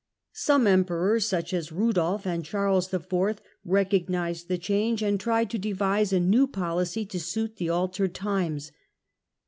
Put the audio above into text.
Some Emperors, such as Rudolf I. and Charles IV., recognised the change and tried to devise a new policy to suit the altered times.